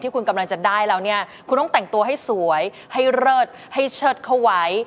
คุณกำลังจะได้แล้วเนี่ยคุณต้องแต่งตัวให้สวยให้เลิศให้เชิดเข้าไว้